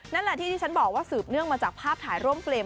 นั่นแหละที่ที่ฉันบอกว่าสืบเนื่องมาจากภาพถ่ายร่วมเฟรม